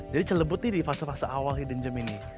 jadi celebut ini di fase fase awal hidden gem ini